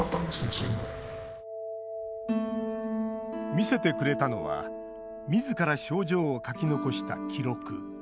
見せてくれたのはみずから症状を書き残した記録。